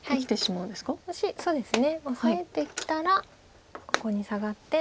そうですね。オサえてきたらここにサガって。